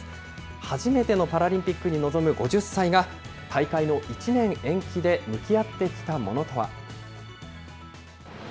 初めてのパラリンピックに臨む５０歳が、大会の１年延期で向き合ってきたものとは。